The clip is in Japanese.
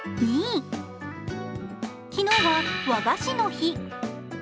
昨日は和菓子の日。